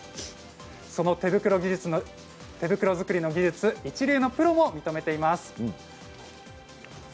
その手袋作りの技術は一流のプロも認めています。